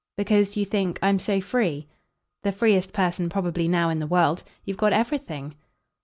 "Because, you think, I'm so free?" "The freest person probably now in the world. You've got everything."